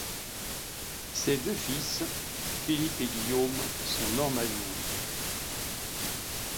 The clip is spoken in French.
Ses deux fils, Philippe et Guillaume, sont normaliens.